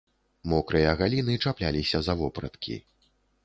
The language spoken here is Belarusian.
Мокрыя галіны чапляліся за вопраткі.